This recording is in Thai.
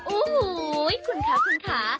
โอ้โหคุณคะคุณคะ